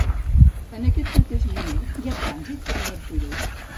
En aquest mateix moment, hi ha trànsit per Martorell?